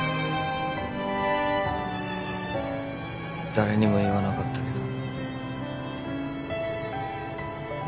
誰にも言わなかったけど。